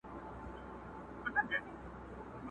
زه او ته چي پیدا سوي پاچاهان یو.!